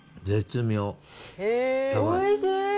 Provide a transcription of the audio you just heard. おいしい。